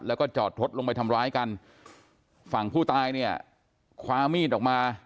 แล้วก็จอดรถลงไปทำร้ายกันฝั่งผู้ตายเนี่ยคว้ามีดออกมา